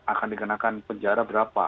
akan dikenakan penjara berapa